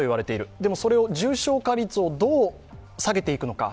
でもそれを重症化率をどう下げていくのか。